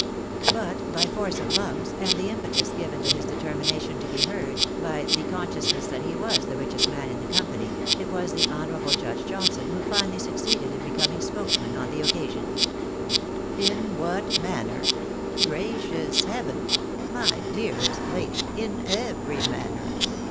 But by force of lungs, and the impetus given to his determination to be heard, by the consciousness that he was the richest man in the company, it was the honourable Judge Johnson who finally suc ceeded in becoming spokesman on the occasion. THE MERITS OF EEPUBLICANISM. 139 "In what manner? Gracious heaven! my dearest lady, in every manner